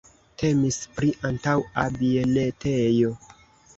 Temis pri antaŭa bienetejo.